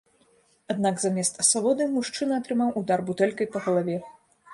Аднак замест асалоды мужчына атрымаў удар бутэлькай па галаве.